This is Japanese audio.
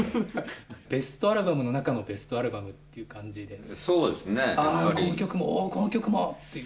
ベストアルバム中のベストアルバムという感じでこの曲も、この曲もっていう。